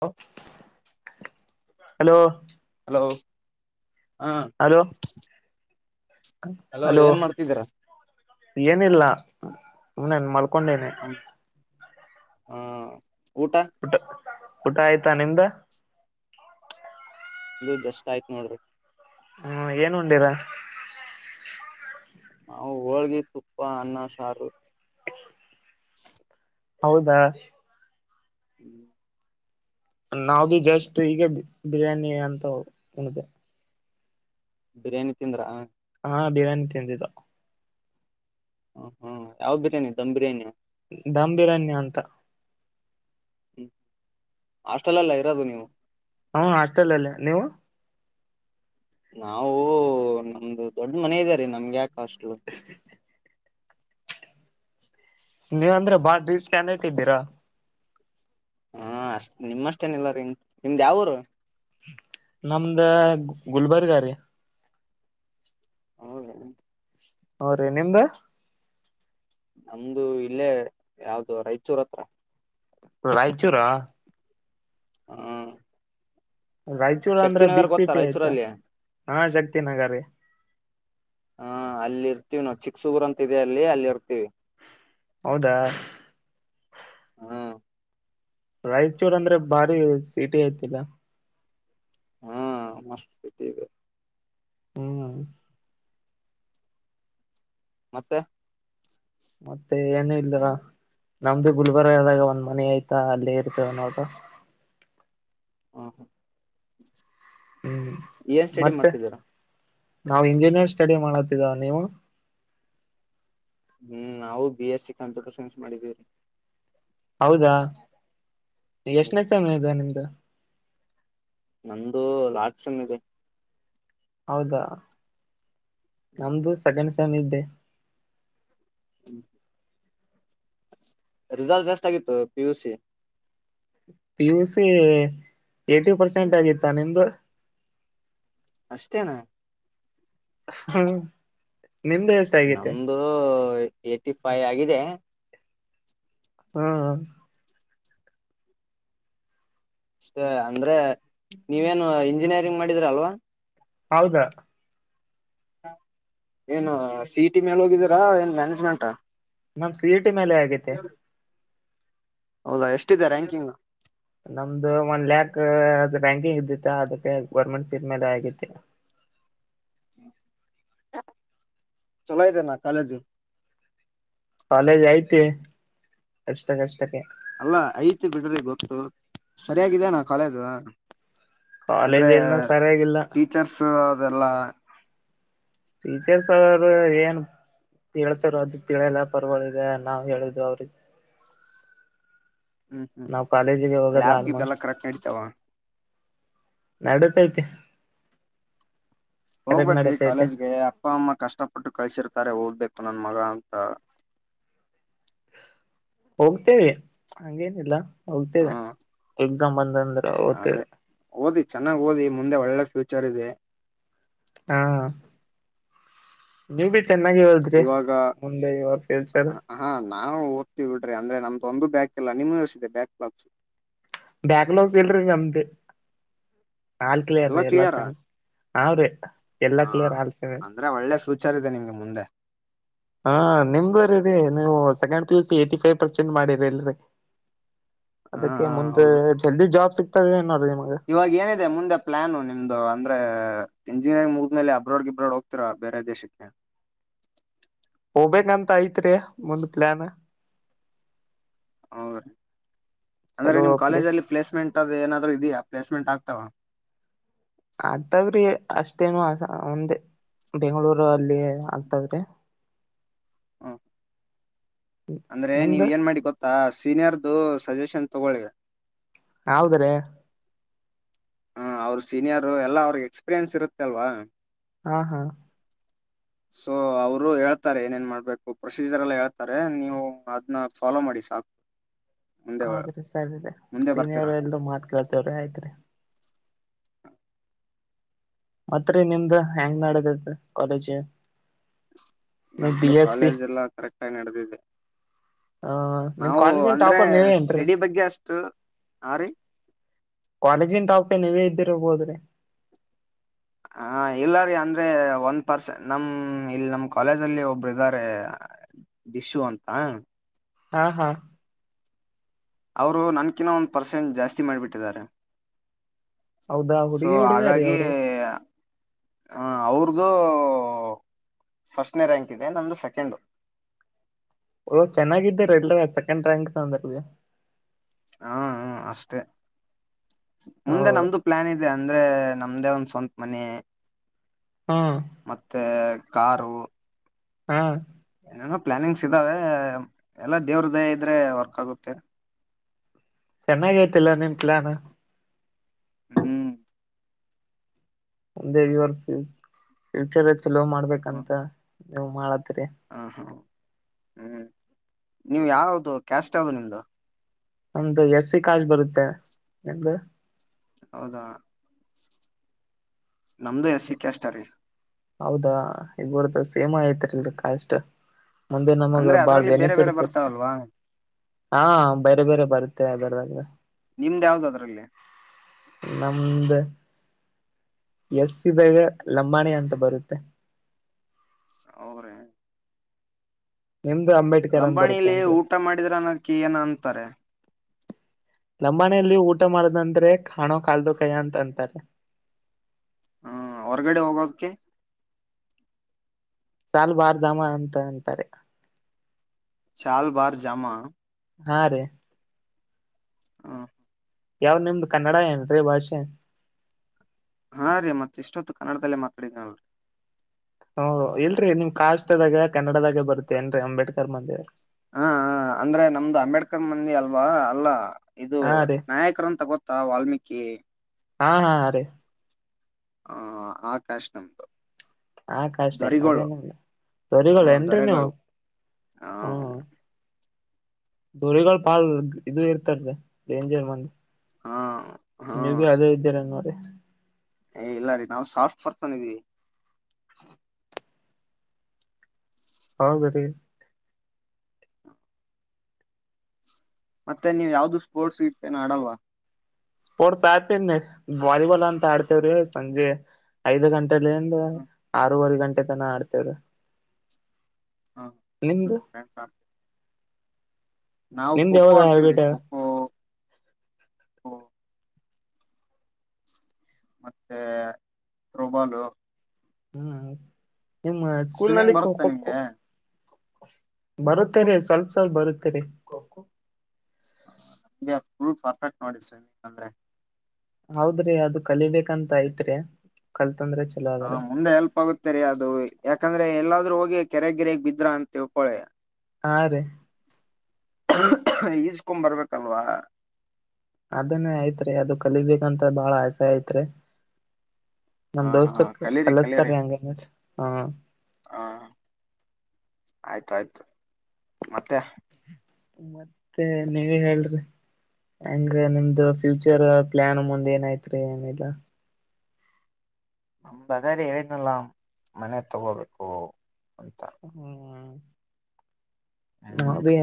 ಹ [unintelligible] ಹಲೋ ಹ ಹಾ ಅಲೋ ಏನಿಲ್ಲ ಸುಮನೆನ್ ಮಾಡ ಕೊಂಡೇವೆ ಹಾ ಊಟ ಊಟ ಆಯ್ತಾ ನಿಮ್ಮ ಇದು ಜಸ್ಟ್ ಆಯ್ತ್ ನೋಡ್ರಿ ಹ್ಮ್ ಏನ್ ಉಂಡಿರ ನಾವು ಹೋಳ್ಗಿ ತುಪ್ಪ ಅನ್ನ ಸಾರು [inaudible] [unintelligible] ಹೌದಾ [inaudible] ನಾವವು್ದ ಜಸ್ಟ್ ಈಗ ಬಿರಿಯಾನಿ ಅಂತ ಉಣ್ದೆ ಬಿರಿಯಾನಿ ತಿಂದ್ರಾ ಹಾ ಬಿರಯಾನಿ ತಿಂದಿದ್ದ ಹ ಹ್ಮ್ ಯಾವ ಬಿರಿಯಾನಿ ದಮ್ ಬಿರಿಯಾನಿ ಧಾಮ್ ಬಿರನ್ಯ ಅಂತ ಹ್ಮ್ ಆಸ್ಟೆಲ್ಲ್ಲ ಇರೋದು ನೀವು ಹ ಆತಲ್ಲ ಅಲ್ಲ ನೀವು ನಾವವು ನಮ್ದು ದೊಡ್ಡ ಮನೆ ಇದ್ದಾರಿ ನಮ್ಗೆ ಯಾಕ ಅಷ್ಟಲು ನೀವ ಅಂದ್ರೆ ಬಾಳ ರೀಸ್ ಸ್ಟಾಂಡ್ ಇದೀರಾ ಹಾ ಅಷ್ಟ ನಿಮ್ಮಷ್ಟೇನ ಇಲ್ಲ ರೀ ನಿಮ್ದ್ ಯಾವರು ನಮ್ದ ಗುಲ್ಬರ್ಗ ರೀ ಹೌದ ಹ್ರೀ ನಿಮ್ದ ನಮ್ದು ಇಲ್ಲೇ ಯಾವ್ದು ರಾಯಚೂರ್ ಹತ್ರ ರಾಯಚೂರಾ ಹ್ಮ ರಾಯಚೂರ್ ಅಂದ್ರೆ ಶಕ್ತಿನಗರ್ ಬಿಗ್ ಗೊತ್ತಾ ಸಿಟಿ ಆಯ್ತಾ ರಾಯಚೂರಲ್ಲಿ ಹ ಹಾ ಶಕ್ತಿ ನಗರೀ. ಹಾ ಅಲ್ಲಿ ಇರ್ತೀವಿ ನಾವ್ ಚಿಕ್ಸುಗುರ್ ಅಂತ ಇದೆ ಅಲ್ಲಿ ಅಲ್ಲಿ ಇರ್ತೀವಿ ಹೌದಾ ಹಾ ರಾಯಚೂರ್ ಅಂದ್ರೆ ಬಾರಿ ಸಿಟಿ ಆಯ್ತಲ್ಲಾ ಹಾ ಮಸ್ತ್ ಸಿಟ ಇದೆ ಹ್ಮ್ ಮತ್ತೆ ಮತ್ತೆ ಏನ ಇಲ್ದರಾ ನಮ್ದು ಗುಲ್ಬರ್ಗ ದಾಗ ಒಂದ್ ಮನೆ ಆಯ್ತ ಅಲ್ಲೇ ಇರ್ತೇವ ನಾವು. ಹ ಹು ಹ್ಮ್ ಮತ್ತೆ ನಾವು ಇಂಜಿನಿಯರ್ ಸ್ಟಡಿ ಮಾಡಕತಿದ ನೀವು. ಹ್ಮ್ ನಾವು B S C computer science ಮಾಡಿದೀವ್ರಿ. ಹೌದಾ ಹ್ಮ್ ಎಷ್ಟನೇ ಸೆಮ್ ಇದ ನಿಮ್ದು. ನಮ್ದು ಲಾಸ್ಟ್ ಸೆಮ್ ಇದೆ. ಹೌದಾ ನಮ್ದು ಸೆಕೆಂಡ್ ಸೆಮ್ ಇದ್ದೆ. ಹ್ಮ್ ರಿಸಲ್ಟ್ ಎಸ್ಟ್ ಆಗಿತ್ತು P U C. P U C eighty percent ಆಗಿತ್ತ ನಿಮ್ದು. ಅಷ್ಟೇನಾ. ಹ್ಮ್ ನಿಮ್ದು ಎಷ್ಟ ಆಗೈತೆ ನಮ್ದು ಎಯ್ಟಿ ಫೈವ್ ಆಗಿದೆ. ಹಾಅ ಅಷ್ಟೇ ಅಂದ್ರೆ ನೀವೇನು ಇಂಜಿನಿಯರಿಂಗ್ ಮಾಡಿದ್ರ ಅಲ್ವಾ. ಹೌದಾ ಏನು ಸಿ ಇ ಟಿ ಮೇಲೆ ಹೋಗಿದ್ದೀರಾ ಏನ್ ಮ್ಯಾನೇಜ್ಮೆಂಟಾ. ನಮದ ಸಿ ಇ ಟಿ ಮೇಲೆ ಆಗೈತೆ. ಹೌದಾ ಎಷ್ಟಿದೆ ರಾಂಕಿಂಗ್. ನಮ್ದು ಒಂದ್ ಲ್ಯಾಕ್ ಅ ರಾಂಕಿಂಗ್ ಇದ್ದಿತ್ತ ಅದಕ್ಕೆ ಗೌರ್ಮೆಂಟ್ ಸೀಟ್ ಮೇಲೆ ಆಗೈತಿ. ಹ್ಮ ಚಲೊ ಇದೆನಾ ಕಾಲೇಜು. ಕಾಲೇಜ್ ಐತಿ ಅಷ್ಟ ಕಷ್ಟಕ್ಕೆ. ಅಲ್ಲಾ ಐತೆ ಬಿಡ್ರಿ ಗೊತ್ತು ಸರಿಯಾಗಿದಾನ ಕಾಲೇಜು. ಅಂದ್ರೆ ಕಾಲೇಜ್ ಏನ ಸರಿಯಾಗಿಲ್ಲ ಟೀಚರ್ಸ್ ಅದೆಲ್ಲ. ಟೀಚರ್ಸ್ ಅವರು ಏನು. ಹೇಳ್ತಾರ ಅದ ತಿಳಿಯಲ್ಲ ಪರ್ವಾಗಿದೆ ನಾವು ಹೇಳುದು ಅವ್ರಿಗೆ ಹ್ಮ್ ಹ್ಮ್ ನಾವು ಕಾಲೇಜಿಗೆ ಹೋಗಲ್ಲ ಲ್ಯಾಬ್ ಗಿಬ್ ಎಲ್ಲ ಆಲ್ಮೋಸ್ಟ್. ಕರೆಕ್ಟ್ ನಡಿತಾವ ನಡೆತೈತಿ. ಹೋಗ್ಬೇಕ್ರೀ ಕಾಲೇಜ್ಗೆ ಅಪ್ಪ ಅಮ್ಮ ಕಷ್ಟಪಟ್ಟು ಕಳ್ಸಿರ [unintelligible] ತಾರೆ ಓದಬೇಕು ನನ್ ಮಗ ಅಂತ. ಹೋಗ್ತೇವೆ ಹಂಗೇನಿಲ್ಲ. ಹೋಗ್ತೇವೆ ಹಾ ಎಕ್ಸಾಮ್ ಬಂದಂದ್ರೆ ಅದೇ ಹೋಗ್ತೇವೆ. ಓದಿ ಚೆನ್ನಾಗ್ ಓದಿ ಮುಂದೆ ಒಳ್ಳೆ ಫ್ಯೂಚರ್ ಇದೆ. ಹಾ ನೀವು ಬಿ ಚೆನ್ನಾಗಿ ಒದ್ರಿ ಇವಾಗ ಮುಂದೆ ಇವ ಫ್ಯೂಚರ್. ಹಾ ನಾವು ಓದ್ತೀವಿ ಬಿಡ್ರಿ ಅಂದ್ರೆ ನಮ್ದು ಒಂದು ಬ್ಯಾಕ್ ಎಲ್ಲ ನಿಮವ್ ಯಸಿದೆ ಬ್ಯಾಕ್ ಲಾಕ್ಸ್. ಬ್ಯಾಕ್ ಲೋಗ್ಸ್ ಇಲ್ರಿ ನಮ್ದು ಅಲ್ ಕ್ಲಿಯರ್ ಎಲ್ಲಾ ಸೆಮ್. ಅವ್ರಿ ಹಾ ಅಂದ್ರೆ ಒಳ್ಳೆ ಫ್ಯೂಚರ್ ಇದೆ ನಿಮ್ಗೆ ಮುಂದೆ. ಹಾ ನಿಮ್ದ ರಿ ರಿ ನೀವು second P U C eighty five percent ಮಾಡಿರಿ ಇಲ್ರಿ. ಹಾ ಅದಕ್ಕೆ ಹಾ ಮುಂದೆ ಹೌದು ಜಲ್ದಿ ಜಾಬ್ ಸಿಗ್ತದೆ ಏ ನೋಡ್ರಿ. ಇವಾಗ ಏನಿದೆ ಮುಂದೆ ಪ್ಲಾನು ನಿಮ್ದು ಅಂದ್ರೆ. ಇಂಜಿನಿಯರಿಂಗ್ ಮುಗುದ್ಮೇಲೆ ಅಬ್ರಾಡ್ ಗಿಬ್ರೋಡ್ ಹೋಗ್ತಿರ ಬೇರೆ ದೇಶಕ್ಕೆ. ಹೋಗ್ಬೇಕಂತ ಐತ್ರಿ ಮುಂದ್ ಪ್ಲಾನ್. ಹೌದ್ರೀ ಅಂದ್ರೆ ಚಲೋ ನಿಮ್ ಪ್ಲೇ ಕಾಲೇಜ ಅಲ್ಲಿ ಪ್ಲೇಸ್ಮೆಂಟ್ ಅದು ಏನಾದ್ರು ಇದಿಯ. ಪ್ಲಸ್ಮೆಂಟ್ ಆಗ್ತಾವ. ಆಗ್ತಾವ್ರಿ ಅಷ್ಟೇನು ಆಗಲ್ಲ ಒಂದೆ ಬೆಂಗಳೂರು. ಇರು ಅಲ್ಲಿ ಆಗ್ತದ್ರೆ [inaudible] ಅಂದ್ರೆ ನೀವ್ ನಿಮ್ದು ಏನ್ ಮಾಡಿ ಗೊತ್ತಾ ಸೀನಿಯರ್ದು ಸಜೆಷನ್ ತಗೊಳಿ ಹೌದ್ರೆ ಹ ಅವ್ರ ಸೀನಿಯರ್ ಎಲ್ಲಾ ಅವ್ರಿಗೆ ಎಕ್ಸ್ಪೀರಿಯನ್ಸ್ ಇರುತ್ತೆ ಅಲ್ವಾ ಹಾ ಹಾ ಸೊ ಅವರು ಹೇಳ್ತಾರೆ ಏನೇನ್ ಮಾಡ್ಬೇಕು ಪ್ರೊಸೀಜರ್ ಎಲ್ಲ ಹೇಳ್ತಾರೆ ನೀವು ಅದ್ನ ಫಾಲೋ ಮಾಡಿ ಸಾಕು [inaudible] ಹೌದ್ರಿ ಸರಿ ಸ ಮುಂದೆ ಬರ್ತೀರಾ ಸೀನಿಯರ್ ಎಲ್ರೂ ಮಾತ್ಕಳ್ತೇವ್ರೆ ಆಯ್ತ್ರಿ ಮತ್ರರಿ ನಿಮ್ದ ಹೆಂಗ್ ನಡೆತಿ ಕಾಲೇಜಿ ನಮ್ದು ಕಾಲೇಜ ಎಲ್ಲಾ ಕರೆಕ್ಟ್ ಆಗಿ ನಡೆದಿದೆ ಆ ನಿಮ್ ನಾವು ಕಾಲೇಜಿನ ಅಂದ್ರೆ ಟಾಪರ್ ನೀವೇ ಏನ್ರರಿ ಸ್ಟಡಿ ಬಗ್ಗೆ ಅಷ್ಟು ಹಾ ರೀ ಕಾಲೇಜಿನ ಟಾಪ್ಗೆ ನೀವೇ ಇದ್ದಿರಬೋದ್ರಿ ಹಾ ಇಲ್ಲ ರೀ ಅಂದ್ರೆ ಒಂದ್ ಪರ್ಸನ್ ನಮ ಇಲ್ಲಿ ನಮ್ ಕಾಲೇಜ ಅಲ್ಲಿ ಒಬ್ರು ಇದ್ದಾರೆ ದಿಶು ಅಂತ ಹಾ ಹಾ ಅವರು ನನ್ಕಿನ್ನ ಒಂದು ಪರ್ಸೆಂಟ್ ಜಾಸ್ತಿ ಮಾಡಿಬಿಟ್ಟಿದ್ದಾರೆ ಹೌದಾ ಸೊ ಹುಡುಗಿ ಹುಡುಗ ರೀ ಹಾಗಾಗಿ ಅವ್ರು [inaudible] ಹಾ ಅವರು ಅವ್ರದು ಫಸ್ಟ್ನೇ ರಾಂಕ್ ಇದೆ ನಂದು ಸೆಕೆಂಡು ಓ ಚೆನ್ನಾಗಿದ್ದಾರ ಎಲ್ಲ ಸೆಕೆಂಡ್ ರಾಂಕ್ ತಂದಿರಿ ಹಾ ಹಾ ಅಷ್ಟೇ [inaudible] ಮುಂದೆ ಹೌದು ನಮ್ದು ಪ್ಲಾನ್ ಇದೆ ಅಂದ್ರೆ ನಮ್ದೇ ಒಂದ ಸ್ವಂತ ಮನೆ ಹ್ಮ್ [inaudible] ಮತ್ತೆ ಕಾರು ಹಾ ಏನೇನೋ ಪ್ಲಾನಿಂಗ್ಸ್ ಇದ್ದಾವೆ ಎಲ್ಲಾ ದೇವ್ರ್ ದಯೆ ಇದ್ರೆ ವರ್ಕ್ ಆಗುತ್ತೆ ಚೆನ್ನಾಗ ಅಯ್ತಿಲ್ಲ ನಿಮ್ಮ್ ಪ್ಲಾನ್ ಹ್ಮ್ ಒಂದೆ ಇವರ್ ಫ್ಯ ಫ್ಯೂಚರ್ ಚಲೋ ಮಾಡ್ಬೇಕಂತ ನೀವು ಮಾಡ ಹಾ ಹಾ ಹ್ಮ್ [inaudible] ನೀವು ಯಾವ್ದ ಕ್ಯಾಸ್ಟ್ ಯಾವ್ದ ನಿಮ್ದು ನಮ್ದು ಎಸ್ ಸಿ ಕಾಸ್ಟ್ ಬರುತ್ತೆ ನಿಮ್ಮದು ಹೌದಾ ನಮ್ದು ಎಸ್ ಸಿ ಕ್ಯಾಸ್ಟ್ರೀ ಹೌದಾ ಇಬ್ರುದು ಸೇಮ ಐತರಿಲ್ರಿ ಕ್ಯಾಸ್ಟ್ ಮುಂದೆ ನಮಗ ಅಂದ್ರೆ ಬಾಳ್ ಅದ್ರಲ್ಲಿ ಬೇರೆ ಬೇರೆ ಬೆನಿಫಿಟ್ಸ್ ಇರುತ್ತೆ ಬರ್ತಾವಲ್ವಾ [inaudible] ಹಾ ಬೇರೆ ಬೇರೆ ಬರುತ್ತೆ [unintelligible] ನಿಮ್ದ ಯಾವ್ದ ಅದ್ರಲ್ಲಿ ನಮ್ದ ಎಸ್ ಸಿ ದಾಗ ಲಂಬಾಣಿ ಅಂತ ಬರುತ್ತೆ [unintelligible] ನಿಮ್ದು ಅಂಬೇಡ್ಕರ್ ಅಂತ ಲಂಬಾಣಿಲಿ ಬರುತ್ತೇನ್ರಿ ಊಟ ಮಾಡಿದ್ರ ಅನ್ನದಕ್ಕೆ ಏನ ಅಂತಾರೆ ಲಂಬಾಣಿಯಲ್ಲಿ ಊಟ ಮಾಡದಂದ್ರೆ ಕಾಣೋ ಕಾಲದು ಕಯ್ಯ ಅಂತ ಅಂತಾರೆ ಹ್ಮ್ ಹೊರಗಡೆ ಹೋಗೋಕ್ಕೆ ಸಲ್ವಾರ್ ಜಾಮ ಅಂತ ಅಂತಾರೆ ಚಲ್ ಬಾರ ಜಾಮಾ ಹಾ ರೀ ಹಾ ಯಾವ್ ನಿಮ್ದ ಕನ್ನಡ ಏನ್ರೀ ಭಾಷೆ ಹಾ ರೀ ಮತ್ತ ಇಷ್ಟೊತ್ತು ಕನ್ನಡದಲ್ಲೇ ಮಾತಾಡಿದೀನಲ್ರರಿ ಹೂ ಇಲ್ರರಿ ನಿಮ್ ಕಾಸ್ದಾಗ ಕನ್ನಡದಾಗ ಬರುತ್ತೇ ನ್ರರಿ ಅಂಬೇಡ್ಕರ್ ಮಂದೇವ ಹಾ ಅಂದ್ರೆ ನಮ್ದು ಅಂಬೇಡ್ಕರ್ ಮಂದಿ ಅಲ್ವಾ ಅಲ್ಲ ಇದು ಹಾ ರೀ ನಾಯಕರು ಅಂತ ಗೊತ್ತ ವಾಲ್ಮೀಕಿ ಹಾ ಹಾ ಅರೆ ಹಾ ಹ ಆಕಾಶ್ ನಮ್ದು ಆ ಕಾಷ್ಟ ಏನ್ ದೊರಿಗಳು ಅದೇನಲ್ಲ ದೊರೆಗಳು ಏನ್ರರಿ ನೀವು ಹಾ [unintelligible] ದೊರಿಗಳು ಕಾಲ್ ಇದು ಇರ್ತಾರದೆ ಡೇಂಜರ್ ಮಂದಿ ಹಾ ಹಾ ಮ್ಯಾಬಿ ಅದೇ ಇದ್ದೀರ ನೋಡಿ ಏ ಇಲ್ಲ ರೀ ನಾವು ಸಾಫ್ಟ್ ಬರ್ತಾನ ಇದಿದೀವಿ ಹಾ [unintelligible] ಮತ್ತೆ ನೀವ್ ಯಾವ್ದು ಸ್ಪೋರ್ಟ್ಸ್ ಗ ಏನ್ ಆಡಲ್ವಾ ಸ್ಪೋರ್ಟ್ಸ್ ಆಡ್ತೇನೆ ವಾಲಿಬಾಲ್ ಅಂತ ಆಡ್ತೇವ್ರಿ ಸಂಜೆ ಐದ್ ಗಂಟೆ ಲಂದ ಆರೂವರೆ ಗಂಟೆ ತನ ಆಡ್ತೇವ್ರ ನಿಮ್ದು ನಾವು ನಿಮ್ದ್ ಖೋಖೋ ಯಾವ್ದ ಆಡ್ತವ್ರಿ ಹ್ಯಾಬಿಟ್ ಖೋಖೋ ಮತ್ತೆ ಥ್ರೋಬಾಲು ಹ್ಮ್ ನಿಮ್ಮ ಸ್ಕೂಲ್ ಸ್ವಿಮ್ಮಿಂಗ್ ನಲ್ಲಿ ಬರುತ್ತಾ ಖೋಖೋ [unintelligible] ನಿಮ್ಗೆ ಬರುತ್ತೇರಿ ಸ್ವಲ್ಪ ಸಲ್ ಬರುತ್ತೇರಿ ಖೋಖೋ ಅ ಫಲ್ ಪರ್ಫೆಕ್ಟ್ ನೋಡಿ ಸ್ವಿಮಿಂಗ ಅಂದ್ರೆ ಹೌದ್ರಿ ಅದು ಕಲಿಬೇಕಂತ ಐತ್ರಿ ಕಲ್ ಹಾ ಮುಂದೆ ಎಲ್ಪ್ ಆಗುತ್ತೆರಿ ಅದು ಯಾಕಂದ್ರೆ ಎಲ್ಲಾದ್ರೂ ಕೆರೆಗೆರೆಗ್ ಬಿದ್ರಾ ಅಂತ ತಿಳ್ಕೊಳೆ ಹಾ ರೀ ಇಸೊಕೊಂಡ ಬರ್ಬೇಕಲ್ವಾ ಅದನ್ನೇ ಆಯ್ತ್ರಿ ಅದು ಕಲಿಬೇಕಂತ ಬಾಳ ಆಸೆ ಆಯ್ತ್ರಿ ನಮ ಹಾ ಹಾ ದೋಸ್ತಕ್ ಕಲೀರಿ ಕಲೀರಿ ಕಲಸ್ತಾರಿ ಹಂಗನ ಹ ಹಾ ಆಯ್ತು ಆಯ್ತು ಮತ್ತೆ ಮತ್ತೆ ನೀವ ಹೇಳ್ರಿ ಹೆಂಗ ನೀಮ್ದ ಫ್ಯೂಚರ್ ಪ್ಲಾನ್ ಮುಂದೆ ಏನಾಯತ್ರಿ ಏನೆಲ್ಲಾ ನಮ್ದದಾರಿ ಹೇಳನಲ್ಲ ಮನೆ ತಗೋಬೇಕು ಅಂತ ಹ್ಮ ಹ್ಮ್ ಮ್ಯಾಬಿ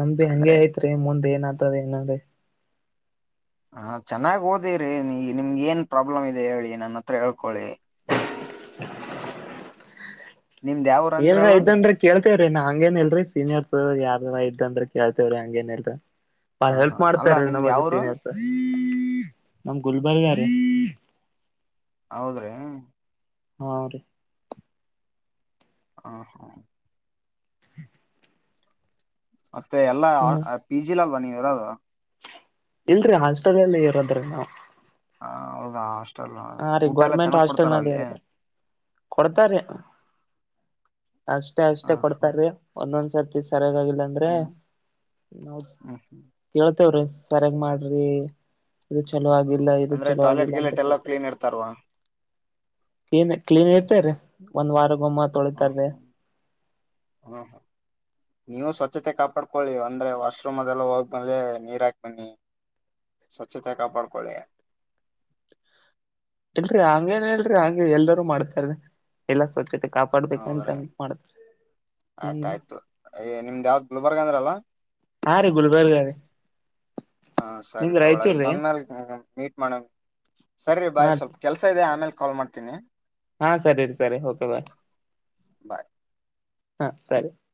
ನಮ್ದಿ ಹಂಗಗೆ ಅಂದ್ರೆ ಐತ್ರಿ ಮುಂದ್ ಏನತದ ಏನನ್ರಿ ಹ ಚೆನ್ನಾಗ್ ಓದಿರಿ ನೀ ನಿಮ್ಗೆ ಏನ್ ಪ್ರಾಬ್ಲಮ್ ಇದೆ ಹೇಳಿ ನನ್ನ ಹತ್ರ ಹೇಳ್ಕೊಳಿ [inaudible] ನಿಮ್ದ್ ಯಾವ್ರ ಏನಾದ್ರೂ ಅಂದ್ರಲ್ಲ ಇದ್ರೆ ಕೇಳ್ತೀನಿ ನಾ ಹಂಗೇನ್ ಇಲ್ರಿ ಸೀನಿಯರ್ಸ್ ಯಾರ ಇದ ಅಂದ್ರೆ ಕೇಳ್ತೇವ್ರೀ ಹಂಗೇಏನ್ಲ್ರಿ ಬಾಳ ಹ ಹಾ ಹೆಲ್ಪ್ ಅಲ್ಲಾ ಮಾಡ್ತಾರ ನಿಮ್ದ್ ನಮಗ್ಗೆ ಯಾವ್ರು ಸೀನಿಯರ್ಸ್ ನಮ್ ಗುಲ್ಬರ್ಗ ರೀ ಹೌದ್ರಿ ಹಾ ರೀ ಹ ಹಾ [unintelligible] ಮತ್ತೆ ಎಲ್ಲಾ ಪಿಜಿಲ್ ಅಲ್ವಾ ನೀವು ಇರೋದು ಇಲ್ರರಿ ಹಾಸ್ಟಲಿಯಲ್ಲಿ ಇರೋದ್ರಿ ನಾವು ಹ ಹೌದಾ ಅಷ್ಟ ಷ್ಟಲ್ಲ ಹಾ ರೀ ಊಟ ಎಲ್ಲ ಗೌರ್ಮೆಂಟ್ ಚೆನ್ನಾಗ್ ಹಾಸ್ಟೆಲ್ ಕೊಡ್ತಾರ ನಲ್ಲಿ ಅಲ್ಲಿ ಇರೋದ್ರಿ ಕೊಡ್ತಾರೀ ಅಷ್ಟೇ ಹ ಅಷ್ಟೇ ಹ್ಮ್ ಕೊಡ್ತಾರೀ ಒಂದೊಂದ್ಸರ್ತಿ ಸರಿಯಾಗಿಗಿಲ್ಲ ಅಂದ್ರೆ ಹ್ಮ್ ಹ್ಮ್ [unintelligible] ತವ್ರಿ ಸರಿಯಾಗ್ ಮಾಡ್ರಿ ಇದು ಚಲೋ ಆಗಲ್ಲ ಇದು ಅಂದ್ರೆ ಚಲೋ ಟಾಯ್ಲೆಟ್ ಆಗಲ್ಲ ಅಂತ ಗಿಲೆಟ್ ಎಲ್ಲಾ ಕೇಳ್ತರು ಕ್ಲೀನ್ ಇರ್ತಾರವಾ ಕ್ಲೀನ್ ಕ್ಲೀನ್ ಇರ್ತರೆ ಒಂದ್ ವಾರ ಗೊಮ್ಮ ತೊಳಿತಾರ ಹಾ ಹಾ ನೀವು ಸ್ವಚ್ತೆ ಕಾಪಾಡ್ಕೊಳ್ಳಿ ಅಂದ್ರೆ ವಾಶ್ರೂಮ್ ಅದೆಲ್ಲ ಹೋಗ್ ಬಂದ್ರೆ ನೀರ್ ಹಾಕ್ ಬನ್ನಿ ಸ್ವಚ್ಛತೆ ಕಾಪಾಡಿಕೊಳ್ಳಿ ಇಲ್ರರಿ ಹಂಗೇನ ಹೇಳಲ್ರಿ ಹಾಗೆ ಎಲ್ಲರೂ ಮಾಡ್ತಾರ ಎಲ್ಲಾ ಸ್ವಚ್ಛತೆ ಕಾಪಾಡ್ಬೇಕಂತ ಹೌದ್ರೀ ಮಾಡ್ತಾರ ಹ್ಮ್ ಆಯ್ತಾಯ್ತು ನಿಮ್ದ್ ಯಾವ್ದ್ ಗುಲ್ಬರ್ಗ ಅಂದ್ರಲ್ಲ ಹಾಂ ರೀ ಗುಲ್ಬರ್ಗ ರೀ ಹಾ ಸರಿ ನಿಮ್ದ್ ತಗೊಳ ರಾಯಚೂರ್ ಅದಿಕ್ ರೀ ಬಂದ್ಮ್ಯಾಲ ಮೀಟ್ ಮಾಡಂಗ ಸರಿ ಹಾ ಬಾಯ್ ಸ್ವಲ್ಪ ಕೆಲ್ಸ ಇದೆ ಆಮೇಲ್ ಕಾಲ್ ಮಾಡ್ತೀನಿ ಹಾ ಸರಿ ಸರಿ ಕೆ ಬಾಯ್ ಬಾಯ್ ಹಾ ಸರಿ